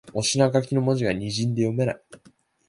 お品書きの文字がにじんで読めない